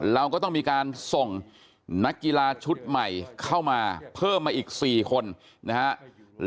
เราก็ต้องมีการส่งนักกีฬาชุดใหม่เข้ามาเพิ่มมาอีก๔คนนะครับ